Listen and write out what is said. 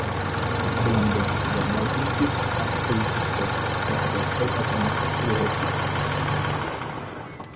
অবিলম্বে আরও বড় তিনটি মাস্তুলযুক্ত জাহাজের পরিকল্পনা শুরু হয়েছিল।